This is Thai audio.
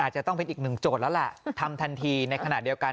จะต้องเป็นอีกหนึ่งโจทย์แล้วแหละทำทันทีในขณะเดียวกัน